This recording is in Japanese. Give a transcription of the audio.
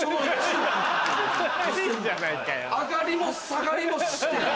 上がりも下がりもしてない？